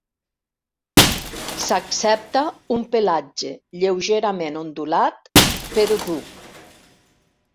S'accepta un pelatge lleugerament ondulat, però dur.